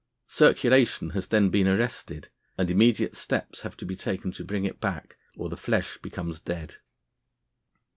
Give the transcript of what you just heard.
Circulation has then been arrested, and immediate steps have to be taken to bring it back, or the flesh becomes dead.